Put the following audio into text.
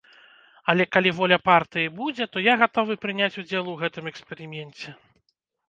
Але калі воля партыі будзе, то я гатовы прыняць удзел у гэтым эксперыменце.